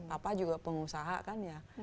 apa juga pengusaha kan ya